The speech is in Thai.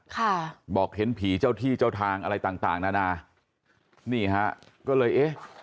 ค่ะบอกเห็นผีเจ้าที่เจ้าทางอะไรต่างต่างนานานี่ฮะก็เลยเอ๊ะ